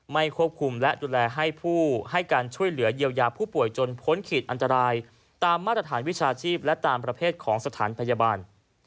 ไม่ควบคุมและดูแลให้ผู้ให้การช่วยเหลือเยียวยาผู้ป่วยจนพ้นขีดอันตรายตามมาตรฐานวิชาชีพและตามประเภทของสถานพยาบาล